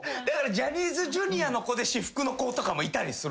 ジャニーズＪｒ．の子で私服の子とかもいたりするんす。